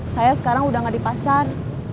saya sekarang udah gak di pasar